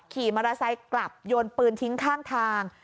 ขี่มอเตอร์ไซค์กลับโยนปืนทิ้งข้างทาง